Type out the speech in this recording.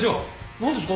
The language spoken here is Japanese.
何ですか？